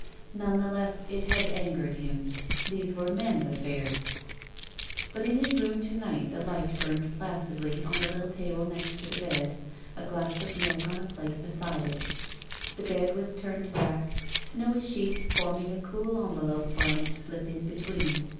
None the less it had angered him. These were men's affairs. But in his room to night the light burned placidly on the little table next to the bed, a glass of milk on a plate beside it. The bed was turned back, snowy sheets forming a cool envelope for him to slip in between.